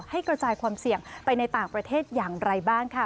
กระจายความเสี่ยงไปในต่างประเทศอย่างไรบ้างค่ะ